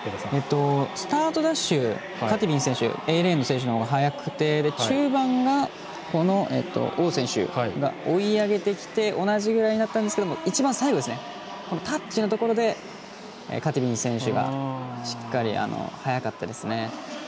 スタートダッシュカティビン選手Ａレーンの選手のほうが速くて中盤が王選手が追い上げてきて同じぐらいになったんですけど一番最後、タッチのところカティビン選手がしっかり速かったですね。